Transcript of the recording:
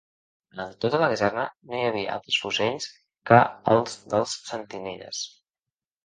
En tota la Caserna no hi havia altres fusells que els dels sentinelles.